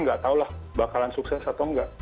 nggak tahulah bakalan sukses atau nggak